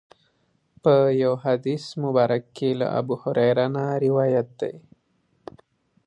په یو حدیث مبارک کې له ابوهریره نه روایت دی.